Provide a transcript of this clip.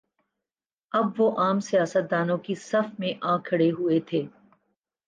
اب وہ عام سیاست دانوں کی صف میں آ کھڑے ہوئے تھے۔